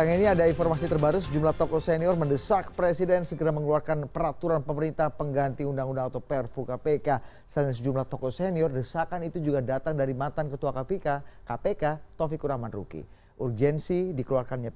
iya iya enggak enggak kita akan bahas itu saja